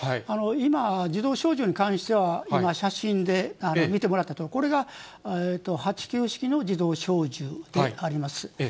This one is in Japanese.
今、自動小銃に関しては、今、写真で見てもらったとおり、これが８９式の自動小銃であります。